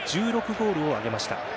１６ゴールを挙げました。